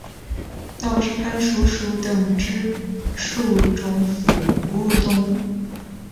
道氏攀鼠属等之数种哺乳动物。